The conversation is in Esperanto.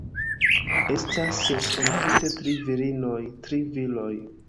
Estas ses entute tri virinoj, tri viroj